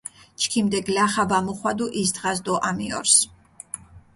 ჩქიმდე გლახა ვა მოხვადუ ის დღას დო ამიორს!